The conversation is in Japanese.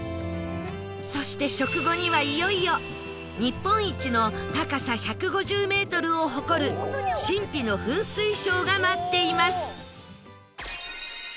そして食後にはいよいよ日本一の高さ１５０メートルを誇る神秘の噴水ショーが待っています